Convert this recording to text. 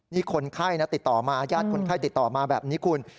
นี่คนไข้นะติดต่อมาญาติคนไข้ติดต่อมาแบบนี้คุณ